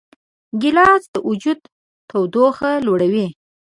ګیلاس د وجود تودوخه لوړوي.